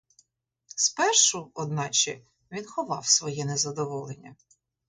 Спершу, одначе, він ховав своє незадоволення.